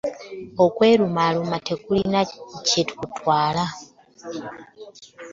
Okwerumaaluma tekirina kye kitutwala.